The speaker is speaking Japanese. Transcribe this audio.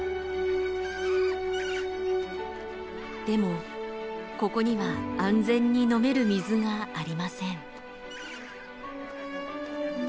でもここには安全に飲める水がありません。